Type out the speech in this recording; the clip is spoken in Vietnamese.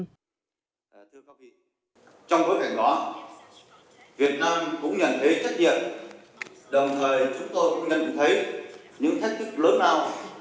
đồng thời chúng tôi cũng nhận thấy những thách thức lớn nào